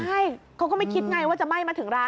ใช่เขาก็ไม่คิดไงว่าจะไหม้มาถึงร้าน